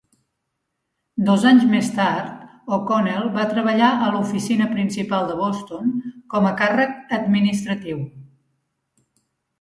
Dos anys més tard, O'Connell va treballar a l'oficina principal de Boston com a càrrec administratiu.